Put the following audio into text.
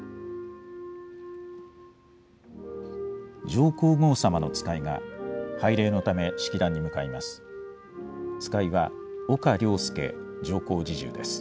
上皇后さまの使いが、拝礼のため式壇に向かいます。